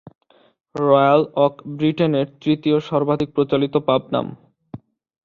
Royal oak ব্রিটেনের তৃতীয় সর্বাধিক প্রচলিত পাব নাম।